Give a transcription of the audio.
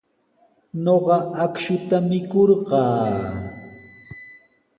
Ñuqa akshuta mikurqaa.